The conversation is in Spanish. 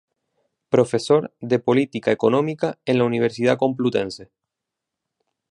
Profesor de Política Económica en la Universidad Complutense.